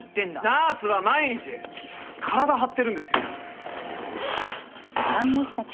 ナースは毎日体張ってるんですよ。